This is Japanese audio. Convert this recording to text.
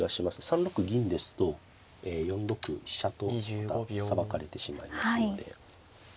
３六銀ですと４六飛車とさばかれてしまいますので。